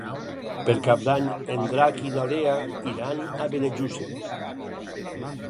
Per Cap d'Any en Drac i na Lea iran a Benejússer.